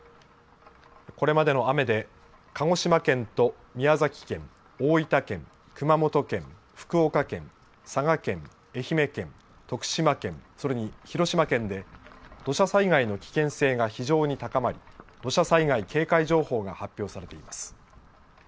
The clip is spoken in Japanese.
これまでの雨で鹿児島県と宮崎県、大分県、熊本県、福岡県、佐賀県、愛媛県、徳島県、それに広島県で土砂災害の危険性が非常に高まり土砂災害警戒情報が発表されています。